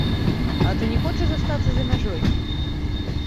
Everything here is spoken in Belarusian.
А ты не хочаш застацца за мяжой?